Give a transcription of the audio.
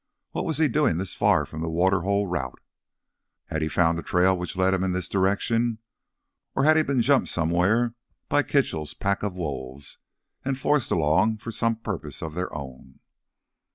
What was he doing this far away from the water hole route? Had he found a trail which led him in this direction? Or had he been jumped somewhere by Kitchell's pack of wolves and forced along for some purpose of their own?